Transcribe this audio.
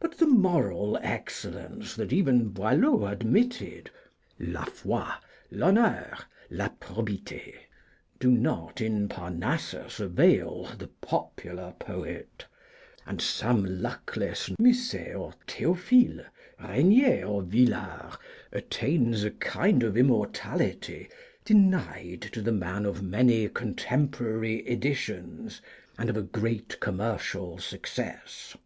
But the moral excellence that even Boileau admitted, ladfoi, l'honneur, la probiité, do not in Parnassus avail the popular poet, and some luckless Musset or Théophile, Regnier or Villars attains a kind of immortality denied to the man of many contemporary editions, and of a great commercial success.